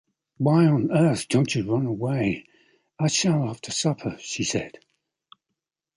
"Why on earth don't you run away?" "I shall after supper," she said.